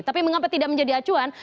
tapi mengapa tidak menjadi acuan